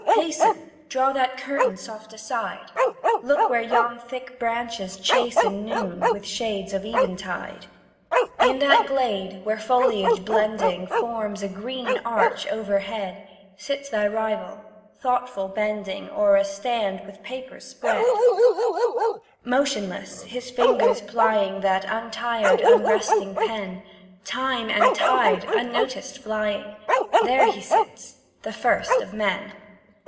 Hasten, Draw that curtain soft aside, Look where yon thick branches chasten Noon, with shades of eventide. In that glade, where foliage blending Forms a green arch overhead, Sits thy rival, thoughtful bending O'er a stand with papers spread Motionless, his fingers plying That untired, unresting pen; Time and tide unnoticed flying, There he sits the first of men!